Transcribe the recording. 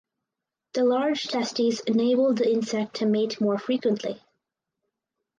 The large testes enable the insect to mate more frequently.